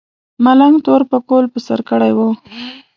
ملنګ تور پکول په سر کړی و.